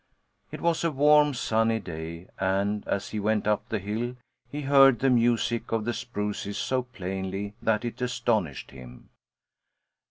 It was a warm sunny day and, as he went up the hill, he heard the music of the spruces so plainly that it astonished him.